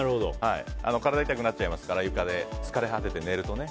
体が痛くなっちゃいますから床で疲れ果てて寝るとね。